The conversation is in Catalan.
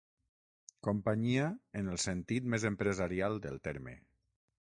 Companyia, en el sentit més empresarial del terme.